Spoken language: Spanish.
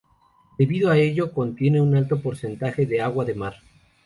Debido a ello, contiene un alto porcentaje de agua de mar.